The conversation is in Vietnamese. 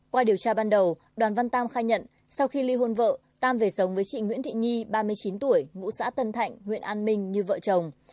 qua điều tra ban đầu đoàn văn tam khai nhận sau khi ly hôn vợ tam về sống với chị nguyễn thị nhi ba mươi chín tuổi ngụ xã tân thạnh huyện an minh như vợ chồng